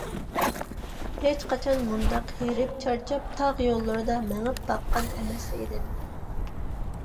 ھېچقاچان مۇنداق ھېرىپ - چارچاپ، تاغ يوللىرىدا مېڭىپ باققان ئەمەس ئىدىم!